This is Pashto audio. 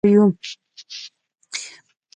د همدغه اختلاف په نه تمیز ولاړ یو.